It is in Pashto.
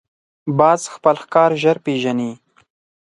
باز خپل ښکار ژر پېژني